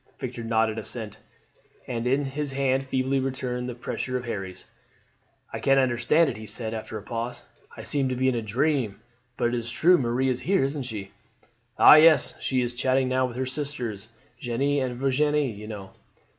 Victor nodded assent, and his hand feebly returned the pressure of Harry's. "I can't understand it," he said after a pause. "I seem to be in a dream; but it is true Marie is here, isn't it?" "Oh yes! She is chatting now with her sisters, Jeanne and Virginie, you know."